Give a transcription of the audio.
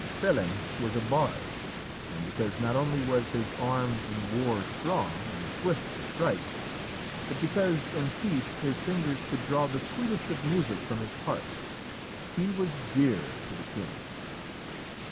Felim was a bard, and because not only was his arm in war strong and swift to strike, but because, in peace, his fingers could draw the sweetest of music from his harp, he was dear to the king.